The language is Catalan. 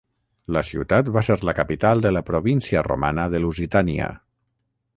La ciutat va ser la capital de la província romana de Lusitània.